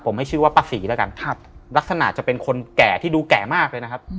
ผมให้ชื่อว่าป้าศรีแล้วกันครับลักษณะจะเป็นคนแก่ที่ดูแก่มากเลยนะครับ